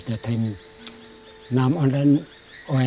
terima kasih yang diberikan